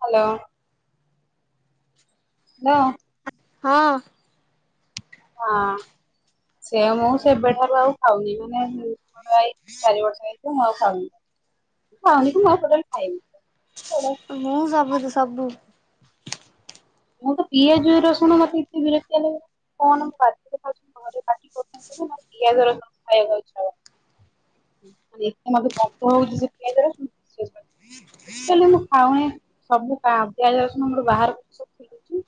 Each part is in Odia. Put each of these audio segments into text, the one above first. ହ୍ୟାଲୋ ହଲ ହଁ ହଁ ସେ ମୁଁ ସେବେଠାରୁ ଆଉ ଖାଉନି। ମାନେ [inaudible] ଚାରି ବର୍ଷ ହେଇ ମୁଁ ଖାଉ ଖାଉନି। ଖାଉନି କି ମୁଁ ଆଉ ଟୋଟାଲି ଖାଇନି। ମୁଁ ସବୁଦି ସବୁ। ମୁଁ ତ ପିଆଜ ରସୁଣ ମତେ ଏତେ ବିରତିଆ ଲାଗ କଣରେ ଖାଉଛି ଘରେ। ପିଆଜ ରସୁଣ ଖାଇବାକୁ ଆଉ ଇଛା ହଉନି। ମାନ ଏତେ ମତେ କମ୍ପ ହଉଚି ସେ ପିଆଜ ରସୁଣ [inaudible] ଲେ ମୁଁ ଖାଉଣ ସବୁ ପିଆଜ ରସୁଣୋର ବାହାର ସବୁ ଠିକ ଅଛି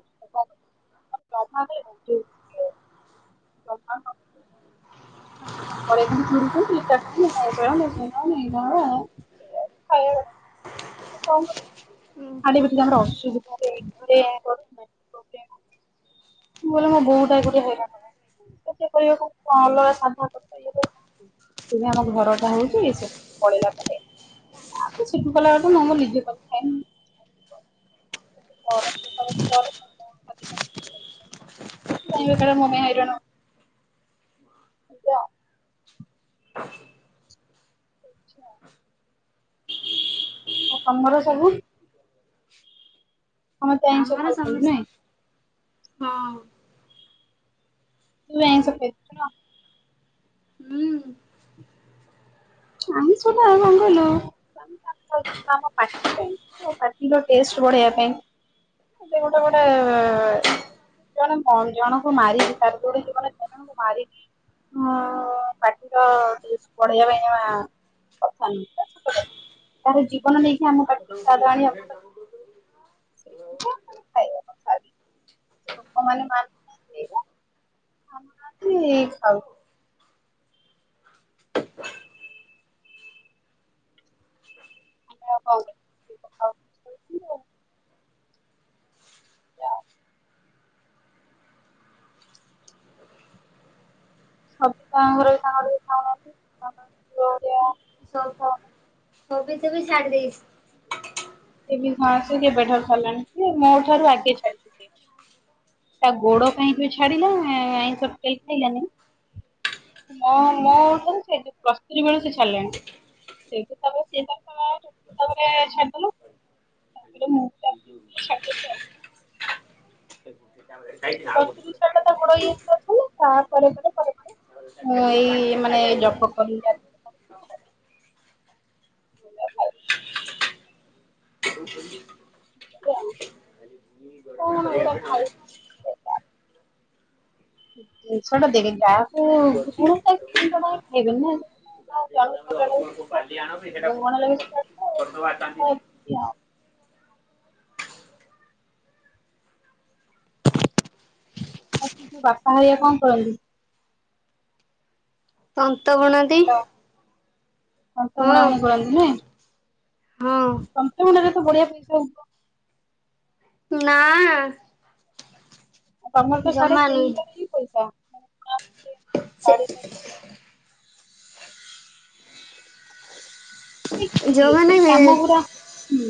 [inaudible] [unintelligible] [unintelligible] [unintelligible] ହଁ [unintelligible] ମୋର ମୋ ବଉଟା ଏପଟେ ହଇରାଣ। ଟିକେ କରିବାକୁ ଅଲଗା ସାଧା କରିପାରିବେ। ସିଏ ବି ଆମ ଘର ଟା ହଉଚି ସେଠି ପଳେଇଲା ପରେ। ଆଉ ସେଠୁ କଲା ବବେ ତ ନମ ଲିଜେ କ ଖାଇନି। କାଇଁ ବେକାରେ ମୁଁ କାଇଁ ହଇରାଣ। ଯ ଆଚ୍ଛା ଆଉ ତମର ସବୁ। ଆମ [unintelligible] ତ ଆଇିଷ ଭଲ କଲି ନାଇଁ ହଁ। ତୁ ଆ ସେ [inaudible] ହୁଁ ଆମ ସୁଧ ମଙ୍ଗଲ [inaudible] ଆମ ପାଟି ପାଇଁ ତ ପାଟିର ଟେଷ୍ଟ ବଢିବା ପାଇଁ [inaudible] ଗୋଟେ ଗୋଟେ [unintelligible] ଜଣେ ଜଣଙ୍କୁ ମାରିକି ତାର ଦଟ ଜୀବନ ଜଣଙ୍କୁ ମାରିକି। ପାଟିର ପଢେଇବା ପାଇଁ କଥା ନଁ ଛୋଟ କଥା [inaudible] କାହାର ଜୀବନ ନେଇକି। ଆମ ଖାଉ ପାଟିକି ଖାଉ ସ୍ୱାଦ ତଇ ା ଆଣି ଆମ ପାଟିକି କାମ କରୁ [inaudible] ଖାଇ [inaudible] ଲୋକମାନେ ମାନୁନାହାନ୍ତି ଏଇ ମାନନାହାନ୍ତି ଖାଉ [unintelligible] ଆ କ [unintelligible] ଆଉ ସବୁ ତା ଘରେ ସାଙ୍ଗ ଖାଉନାହାନ୍ତିଆ [unintelligible] ସଛବିଶ ବି ାର ଦଶ [inaudible] ସେ ଘସ କେବେ ଠର ସାରିଲଣି ସେ ମୋ ଠାରୁ ଆଗେ ାାଇ [inaudible] ତା ଗୋଡ ପାଇଁ ଯୋଉ ଛାଡିଲା ଆଇଁଷ ଟୋଟାଲି ଖାଇଲାନି। ମୋ ମୋ ସେ ପ୍ଲସ୍ ଥ୍ରୀ ବେଳେ ସେ ଛାଡିଲେଣି। ସେଇଠୁ ତାପରେ ସି ତ ତାପରେ ଛାଡିଲୁ [unintelligible] ସେ ଛାଡିଦେଲି ଆଉ [inaudible] ଆ [unintelligible] ଦଶରିଶାରଟା ତା ବୋଡ ହେଇଯାଇସଥିଲା ତା ପରେରେ ପରେ ପରେ ପରେ [inaudible] ମୁଁ ଏଇ ମାନେ ଏ ଜପ କରିଲେ। ହ [inaudible] ଆଉ [inaudible] [inaudible] କରିବା ଏଗୁଡା ପାଇଁେ [inaudible] ଖାଇ ଛୋଟ ଦେଖଛ [inaudible] ଅଛି। ହେଇଗ ନା [inaudible] ଆଉ ଜଳୁ କଲ ଲାଗଛି ଖାଉ କଣ ଲାଗି ଆ ଆଉ [unintelligible] ଆଉ ସେ ଯୋଉ ବାପା ହେରିକା କଣ କରନ୍ତି। ତନ୍ତ ବୁଣନ୍ତି। ହଁ ତନ୍ତବୁଣାବୁଣି କରନ୍ତି ହଁ ନାଇଁ। ତନ୍ତ ବୁଣା ରେ ତ ବଢିଆ ପଇସା ହୋଉଥିବ। ନା। ଆଉ ତମର ତ ଜମା ଶାଢୀ ନୁହେଁ ସେ [unintelligible] କରୁଛନ୍ତି, ସେଇ ସେଇ ଯୋଉମାନେ। କାମ ଗୁରା ହୁଁ।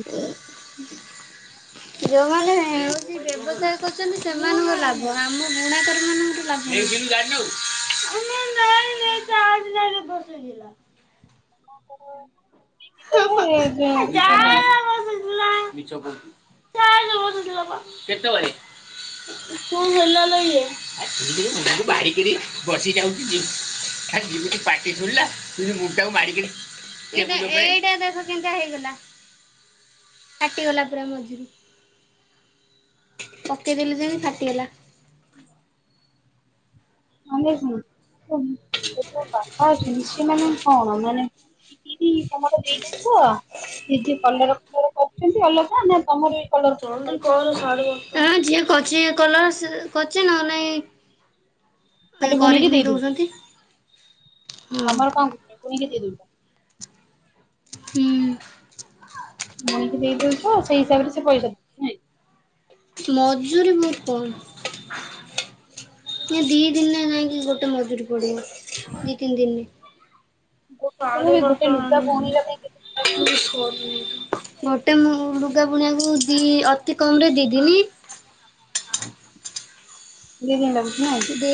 [inaudible] ଯେଉଁମାନେ ହେଉଛି ବ୍ୟବସାୟ କରୁଛନ୍ତି ସେମାନଙ୍କ ଲାଭ ଆମ ବୁଣାକାର ମାନଙ୍କର ଲାଭ। ଦିନ ଗଲୁ [inaudible] ବସଗା [unintelligible] ଯ [unintelligible] କେତେବେଳେ। କଣ ହେଲା ଲ ଇଏ ବାହାରିକି ପଶି ଯାଉଛି। [inaudible] କେନ୍ତା ହେଇଗଲା ଫାଟିଗଲା ପୁରା ମଝିରୁ। ପକେଇଦେଲି ଯେମତି ଫାଟିଗଲା। ହୁଁ ମାନେ କଣ ବାପା ଅଛନ୍ତି ସେ ମାନେ ହଁ ମାନେ ଦିଦି ତମର ଦେଇଦଉଛ ସିଏ ବି କଲର କଲର କରୁଛନ୍ତି ଅଲଗା ନା ତମର କଲର ଫଲର ଜଲ୍ଦୀ କରେ କରୁଛନ୍ତି? ସରିବନି ଏ ଝିଅ କରୁଚି କଲ ସେ କରୁଚି ନହେଲେ ନାଇଁ ଖାଲି ବୁଣିକି କରିକି ବି ଦେଇଦଉଛନ୍ତି ଦଉଛନ୍ତି। ହଁ ତମର କଣ [unintelligible] ହୁଁ। ଭୁଣିକି ଦେଇଦଉଛ ସେଇ ହିସାବରେ ସେ ପଇସା ଦଉଛନ୍ତି ନାଇଁ? ମଜୁରୀ ମୁଁ କଣ? ଏ ଦି ଦିନ ଯାଇକି ଗୋଟେ ମଜୁରୀ ପଡିବ। ହ ଦି ତିନି ଦିନି ଗୋଟେ ଗୋଟେ ଲୁଗା ବୁଣିବା ପାଇଁ କେତେ ଦିନ ଲାଗୁଛି [unintelligible] [inaudible] ଗୋଟେମୃ ମୃଗା ବୁଣିଆକୁ ଦି ଅତି କମ୍ ରେ ଦି ଦିନି। ଦି ଦିନି ଲାଗୁଛି ନାଇଁ? ଦି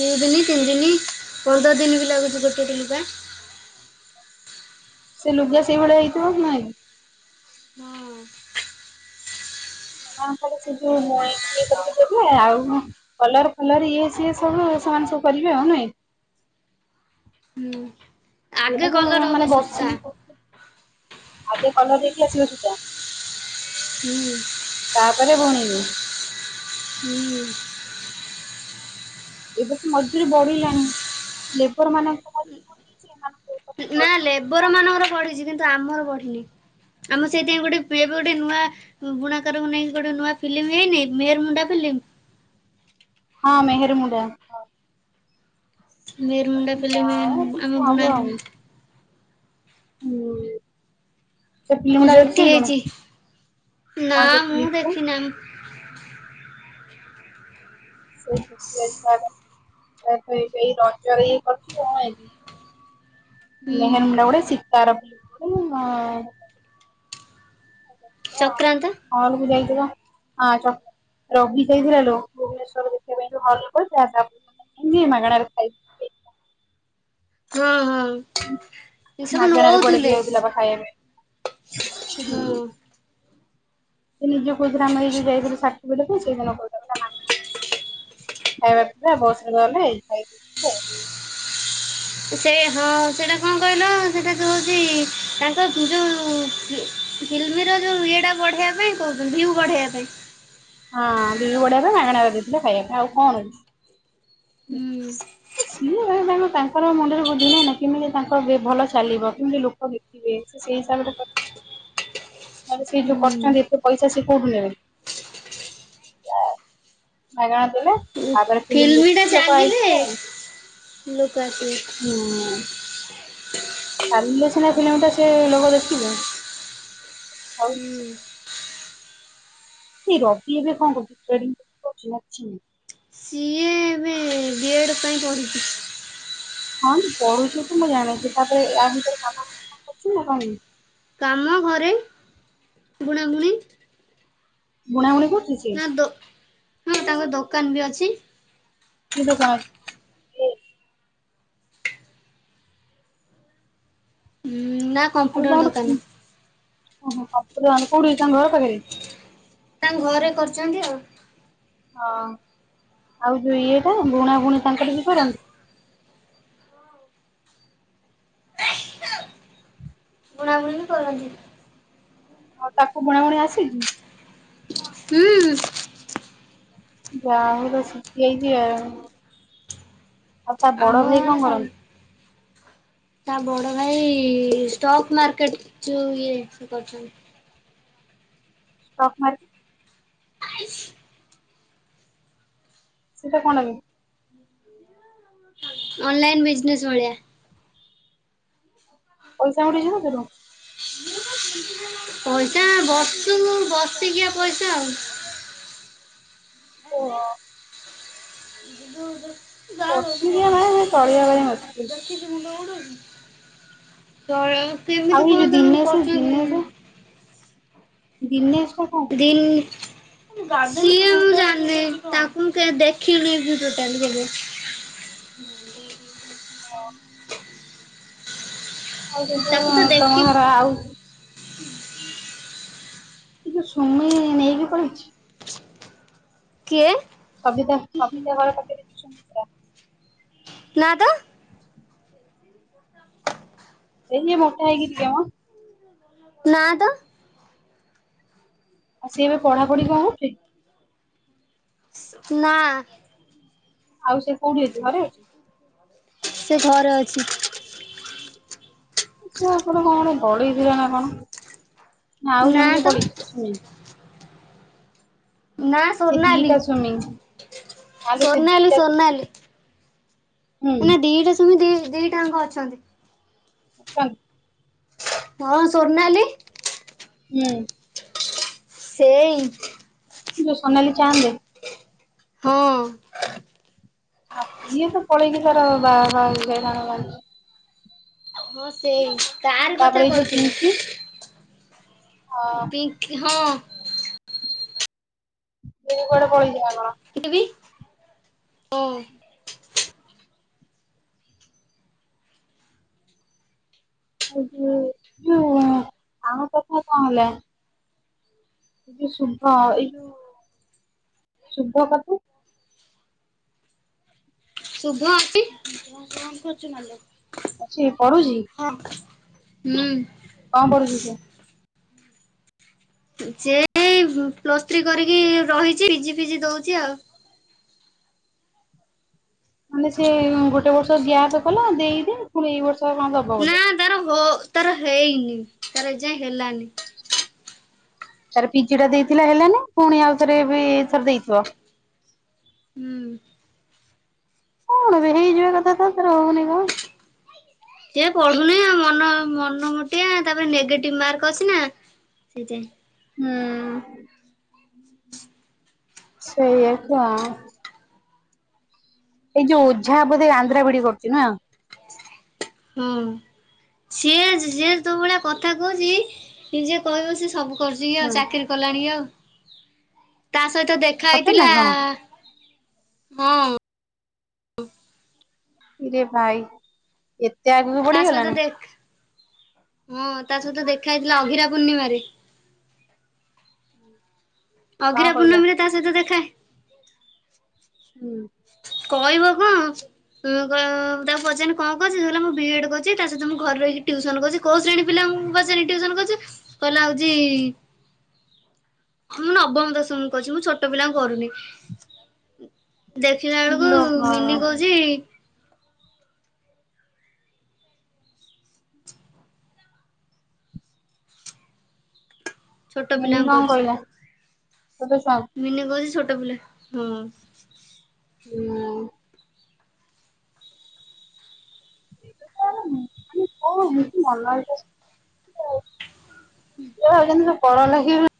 ଦିନି ତିନି ଦିନି ପନ୍ଦର ଦିନି ବି ଲାଗୁଛି ଗୋଟିଏ ଦିନ ପା। ସେ ଲୁଗା ସେଇ ଭଳିଆ ହେଇଥିବ କି ନାଇଁ? ହଁ। [unintelligible] ସେ ଯୋଉ ମଇକି ଏ କରିକି ଦେବେ ଆଉ କଲର ଫଲର ଇଏ ସିଏ ସବୁ ସେମାନେ ସବୁ କରିବେ ଆଉ ନାଇଁ? ହୁଁ। ଆଗେ କଲର [unintelligible] ହବ ମାନେ ବସି ସୂତା ଆଗେ କଲର ଦେଇକି ଆସିବା ସୁଧା। ହୁଁ। ତାପରେ ବୁଣିବେ। ହୁଁ। ଏବେ ତ ମଝିରେ ବଢିଲାଣି ଲେବର ମାନେ ନା ଲେବର ମାନଙ୍କର ପଢିଛି କିନ୍ତୁ ଆମର ପଢିନି। ଆମର ସେଇଥିପାଇଁ ଗୋଟେ ପିଏଫ ଗୋଟେ ନୂଆ ବୁଣାକାରଙ୍କୁ ନେଇକି ଗୋଟେ ନୂଆ ଫିଲ୍ମ ହେଇନି ମେହେର ମୁଣ୍ଡା ଫିଲ୍ମ? ହଁ ମେହେରୁମୁଣ୍ଡା। ନିର୍ ମୁୁଣ୍ଡା ଫିଲ୍ମ୍ ଯାଉ କିସ ଆମ ହବ ବୁଣା ଆଉ ହୁଁ। ସେ ଫ୍ଲିମ୍ ଜ୍ୟୋତି ଦେଖିସାରିଲୁଣି? ହେଇଛି। ନା ହଁ ମୁଁ ଦେଖିଦେଇଚି ପା। ଦେଖିନି ଆମ [unintelligible] ମେହେରମୁଣ୍ଡା ଗୋଟେ ସୀତାର ହୁଁ ଫ୍ଲିମ୍ ଗୋଟେ ଆଁ ହଁ ସଂକ୍ରାନ୍ତ ହଲ୍ କୁ ଯାଇଥିବ। ହଁ ଛ ରବି ଯାଇଥିଲା ଲୋ ଭୁବନେଶ୍ଵର ଦେଖିବାପାଇଁ ହଲ୍ ରେ [unintelligible] ମାଗଣାରେ ଖାଇ ହଁ ହଁ। ଟ୍ୟୁସନ୍ ମାଗଣାରେ କୁଆଡେ ନୋଉଥିଲେ ଦିଆ ହଉଥିଲା ବା ଖାଇବା ପାଇଁ ହଁ। ସେ ନିଜେ କୋଉଥିଲା ଆମେ ଏଯୋଉ ଯାଇଥିଲୁ ସା [unintelligible] ଖାଇବା ପିଇବା ବସ୍ ରେ ଗଲେ ଖାଇ। ସେଇ ହଁ ସେଇଟା କଣ କହିଲ ସେଇଟା ଯୋଉ ହଉଚି ତାଙ୍କ ଯୋଉ ଫ୍ଲିମ୍ ର ଯୋଉ ଇଏଟା ବଢ଼େଇବା ପାଇଁ କହୁଛନ୍ତି ଭିୟୁ ବଢ଼େଇବା ପାଇଁ। ହଁ ଭିୟୁ ବଢ଼େଇବା ପାଇଁ ମାଗଣାରେ ଦେଇଥିଲେ ଖାଇବା ପାଇଁ ଆଉ କଣ‌। ହୁଁ। [unintelligible] ତାଙ୍କର ମୁଣ୍ତ ରେ ବୁଦ୍ଧି ନାହିଁ ନା କେମିତି ତାଙ୍କ ଭଲ ଚାଲିବ କେମିତି ଲୋକ [unintelligible] ସେ ସେଇ ହିସାବରେ କ ନହେଲେ ସେ ଯୋଉ ହୁଁ। କରୁଛନ୍ତି ଏତେ ପଇସା ସିଏ କଉଠୁ ନେବେ। ମାଗଣା ଦେଲେ ତାପରେ ଫିଲ୍ମ ଫିଲ୍ମ୍ ଟା ଦେଖିକି ଲୋକ ଚାଲିଲେ ଆଇଥିଲେ ଆଉ। ଲୋକ ଆସିବେ। ହୁଁ। ଚାଲିଲେ ସିନା ଫିଲ୍ମ୍ ଟା ସେ ଲୋକ ଦେଖିବେ ଆଉ। ହୁଁ। ଏଇ ରକି ଏବେ କଣ କରୁଚି ଟ୍ରେନିଂ କରୁଚି ନା କିଛି ନାଇଁ? ସିଏ ଏବେ ଗେ [unintelligible] ପଢ଼ିଛି। ହଁ ପଢୁଚି ତ ମୁଁ ଜାଣିଚି ତାପରେ ଇଆ ଭିତରେ କାମ କଣ କରୁଚି ନାଁ କରୁନି? କାମ ଘରେ। ବୁଣାବୁଣି। ବୁଣାବୁଣି କରୁଚି ସିଏ? ନା ଦୋ ହଁ ତାଙ୍କ ଦୋକାନ ବି ଅଛି। କି ଦୋକାନ ଅ ଉ ନା ଆଉ କମ୍ପ୍ୟୁଟର ତାଙ୍କର ଦୋକାନ। [unintelligible] ଓ ହୋ ଠାକୁରାଣି କୋଉଠି ତାଙ୍କ ଘର ପାଖରେ? ତାଙ୍କ ଘରେ କରିଚନ୍ତି ଆଉ। ହଁ ଆଉ ଯୋଉ ଇଏଟା ବୁଣାବୁଣି ତାଙ୍କର ବି କରନ୍ତି? ବୁଣାବୁଣି କରନ୍ତି। ଆଉ ତାକୁ ବୁଣାବୁଣି ଆସେ? ହୁଁ। ଯାହା ହଉ ପୁରା ଶିଖିଯାଇଚି ଆଉ ତା ଆମ ବଡ଼ଭାଇ ଗାଁରେ କଣ ସମ କରନ୍ତି? ତା ବଡ଼ ଭାଇ ଷ୍ଟକ୍ ମାର୍କେଟ ଯୋଉ ଇଏ ସେ କରିଛନ୍ତି। ଷ୍ଟକ୍ ମାର୍କେ [unintelligible] ସେଇଟା କଣବେ। ଅନଲାଇନ୍ ବିଜନେସ୍ ଭଳିଆ। ପଇସା ଆଉ ନେଇ [unintelligible] ପଇସା ବର୍ଷକୁ ବରର୍ଷିକିଆ ପଇସା ଆଉ। ‌ [unintelligible] [unintelligible] [unintelligible] [unintelligible] ସେମିତି କଣ ତାଙ୍କର ଆଉ ଏଇ ଯୋଉ କରୁଛନ୍ତି ଦିନେଶ ଦିନେଶ କେଜାଣି। [unintelligible] ଦି [unintelligible] ମୁଁ ଜାଣିନି ତାଙ୍କୁ ମୁଁ ଦେଖିନି ବି ଟୋଟାଲ [unintelligible] ଆଉ ସେଠୁ ତାକୁ ତ ତମ ଦେଖି ଘର ଆଉ। ଏ ସମୟ ନେଇକି ପଳେଇଚି। କିଏ? ସବିତା ସବିତା ଘରେ ପାଖରେ ଯୋଉ ସୁମିତ୍ରା ନା ତ। ହ ଏଇ ଯେ ମୋଟା ହେଇକି ଥିଅ ନାଁ ତ। ସିଏ ଏବେ ପଢାପଢି କଣ କରୁଚି? ନା। ଆଉ ସିଏ କୋଉଠି ଅଛି ଘରେ? ସିଏ ଘରେ ଅଛି। ସେ ଆପଣ କଣ ପଳେଇଥିଲା ନା କଣ? ନା ଆଉ ନା ଜଣ କିଏ ତ ପଳେଇଛି? ନା ସେ ସୋନାଲି ଦିଟା ସ୍ଵାମୀ ନା ଲୋ ସେ ସୋନାଲି ଦିଟା ସ୍ଵାମୀ। ସୋନାଲି ମାନେ ଦି ଟା ସ୍ୱାମୀ ଦିଟା ଙ୍କ ଅଛନ୍ତି। ଛନ୍ ହଁ ସୋନାଲି। ହୁଁ। ସେଇ ଯୋଉ ସୋନାଲି ଚାହାନ୍ତେ ହଁ। ଆଉ ସିଇଏ ତ ପଳେଇକି ତାର ବାହା ଫାହା ହେଇଶାଇଲାନି ମୁ ଜାଣିଚି। ହଁ ସେଇ ତାର ତାପରେ କଥା ଏଇ ଯୋଉ କହିଥିବେ। ପିଙ୍କି ଅ ପିିଙ୍କ ହଁ। ସିଏ କୁଆଡେ ପଳେଇଚି ନା କଣ? [unintelligible] ଯଉ ଆମ କଥା କଣ ହେଲା? ଶୁଭ ଏଇ ଯୋଉ ଶୁଭ କଥା। ଶୁଭ ଅଛି। ଅଛି ପଢୁଚି? ହଁ ହୁଁ। କଣ ପଡୁଚି ସେ? ଯେଇ ପ୍ଲସ୍ ଥ୍ରୀ କରିକି ରହିଛି ପିଜି ଫିଜି ଦଉଛି ଆଉ। ମାନେ ସେ ଗୋଟେ ବର୍ଷ ଗ୍ୟାପ କଲା ଦେଇଦି ପୁଣି ଏଇ ବର୍ଷ କଣ ଦବ ନା ବୋଧେ। ତାର ହୋ ତାର ହେଇନି ତାର ଏ ଯାଏଁ ହେଲାନି। ତାର ପିଜି ଟା ଦେଇଥିଲା ହେଲାନି ପୁଣି ଆଉଥରେ ଏଥର ଦେଇଥିବ। ହୁଁ। କଣ ବେ ହେଇଯିବା କଥାତ ତାର ହଉନି କଣ? ଇଏ ପଢୁନି ମନ ମନ ମୋଟିଆ ତାପରେ ନେଗେଟିଭ ମାର୍କ ଅଛି ନା। ସେ ଯାଏଁ। ହୁଁ। ସେଇଆ ହେଇଥିବ। ଏଇ ଯୋଉ ଓଝା ବୋଧେ ଆନ୍ଧ୍ରା ବିଡି କରୁଛି ନା? ହଁ ସିଏ ସିଏ ତୋ ଭଳିଆ କଥା କହୁଛି ନିଜେ କହିବ ସେ ସବୁ କରୁଛି ଆଉ ହୁଁ ଚାକିରି କଲାଣି ଆଉ ତା ସହିତ ଦେ ଖା ସତରେ ନା ହେଇଥିଲା କଣ ହଁ। ରେ ଭାଇ। ଏତେ ଆଗୁକୁ ତା ସହିତ ଦେଖ୍ ହଁ ତା ସହିତ ଦେଖା ହେଇଥିଲା ଅଘିରା ପୂର୍ଣ୍ଣିମାରେ। କଣ ଅଗିରା କହିଲା ପୂର୍ଣ୍ଣମୀରେ ତା ସହିତ ଦେଖା? ହୁଁ। କହିବ କଣ? ତାକୁ ପଚାରି କଣ କରୁଛୁ, ସେ କହିଲା ମୁଁ ବି ବିଡ୍ କରିଛି ତା ସହିତ ମୁଁ ଘରେ ରହିକି ଟ୍ୟୁସନ କରିଛି। କହୁ ଶେଣୀ ପିଲାଙ୍କୁ ଟିଉସନ କର୍ ଛୁ, କହିଲା ହୋଉଛି। ମୁଁ ନବମ ଦଶମୀକୁ କର୍ଛି, ମୁଁ ଛୋଟ ପିଲାଙ୍କୁ କରୁନି। ଦେଖିଲା ବେଳକୁ ଲୋ ମିନି କହୁଛି। ଛୋଟ ମିନି ପିଲାଙ୍କୁ କଣ କରୁଛି। କହିଲା ସତୁ ଶଙ୍ଗ୍ ମିନି କୋହୁଛି ଛୋଟ ପିଲା ହୁଁ। [inaudible] [unintelligible] ସେ ଭାବୁଚନ୍ତି ପଢ ଲେଖ